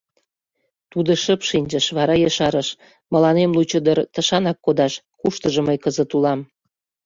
— Тудо шып шинчыш, вара ешарыш: — Мыланем лучо дыр тышанак кодаш, куштыжо мый кызыт улам...